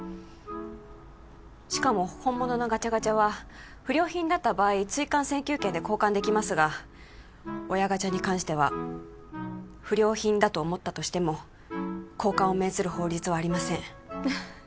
しかも本物のガチャガチャは不良品だった場合追完請求権で交換できますが親ガチャに関しては不良品だと思ったとしても交換を命ずる法律はありません